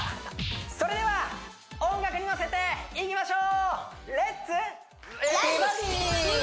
それでは音楽に乗せていきましょう！